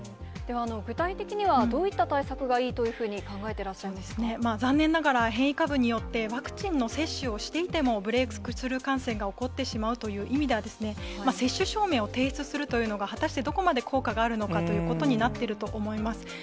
では、具体的にはどういった対策がいいというふうに考えてらっしゃいま残念ながら、変異株によって、ワクチンの接種をしていても、ブレークスルー感染が起こってしまうという意味ではですね、接種証明を提出するというのが、果たしてどこまで効果があるのかということになっていると思います。